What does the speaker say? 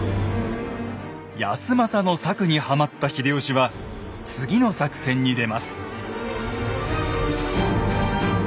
康政の策にはまった秀吉は次の作戦に出ます。